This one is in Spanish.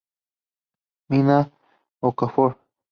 Mina Okafor.